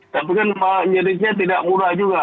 tapi kan penyidiknya tidak mudah juga